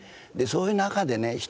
でそういう中でね